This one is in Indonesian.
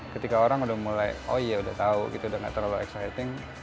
ketika orang sudah mulai oh iya sudah tahu sudah tidak terlalu exciting